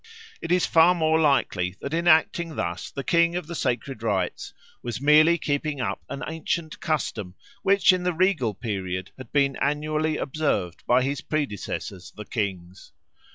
It is far more likely that in acting thus the King of the Sacred Rites was merely keeping up an ancient custom which in the regal period had been annually observed by his predecessors the kings.